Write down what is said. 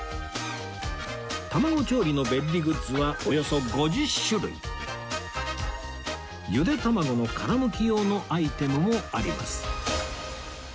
卵調理の便利グッズはおよそ５０種類ゆで卵の殻むき用のアイテムもあります